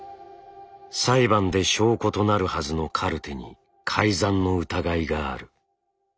裁判で証拠となるはずのカルテに改ざんの疑いがある。